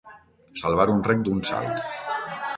Salvar un rec d'un salt.